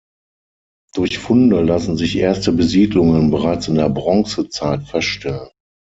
Durch Funde lassen sich erste Besiedlungen bereits in der Bronzezeit feststellen.